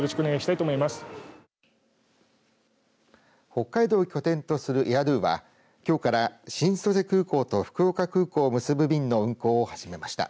北海道を拠点とするエア・ドゥはきょうから新千歳空港と福岡空港を結ぶ便の運航を始めました。